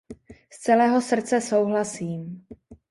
Z celého srdce souhlasím.